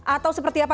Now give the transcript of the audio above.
atau seperti apa